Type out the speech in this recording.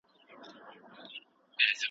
تعلیم د علمي مسایلو حلولو توان رامنځته کوي.